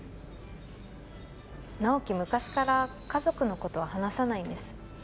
直木昔から家族のことは話さないんです